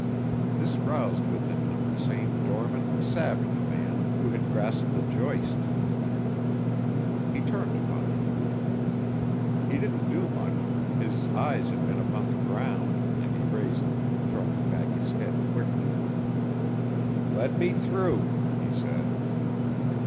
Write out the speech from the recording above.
This roused within him the same dormant, savage man who had grasped the joist he turned upon the group. He didn't do much, his eyes had been upon the ground and he raised them, throwing back his head quickly. "Let me through," he said.